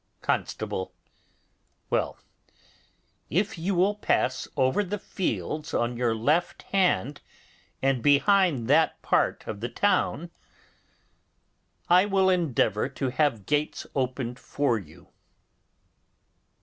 Constable. Well, if you will pass over the fields on your left hand, and behind that part of the town, I will endeavour to have gates opened for you.